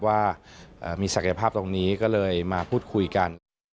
ว่ามีศักยภาพตรงนี้ก็เลยมาพูดคุยกัน